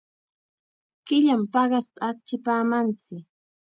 Killam paqaspa achkimanchik.